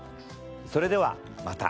それではまた。